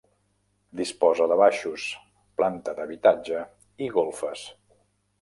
Disposa de baixos, planta d'habitatge i golfes.